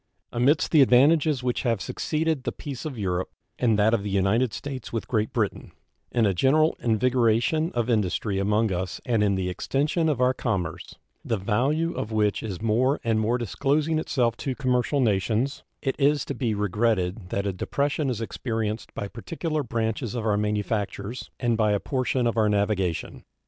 Amidst the advantages which have succeeded the peace of Europe, and that of the United States with Great Britain, in a general invigoration of industry among us and in the extension of our commerce, the value of which is more and more disclosing itself to commercial nations, it is to be regretted that a depression is experienced by particular branches of our manufactures and by a portion of our navigation.